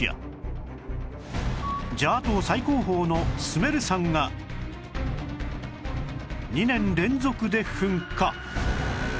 ジャワ島最高峰のスメル山が２年連続で噴火